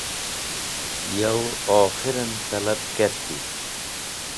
Yow okhiron talab kerti.